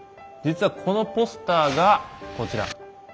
実はこのポスターがこちら。